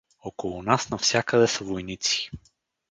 Около нас навсякъде са войници.